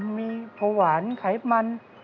มีเผาหวานไขมัน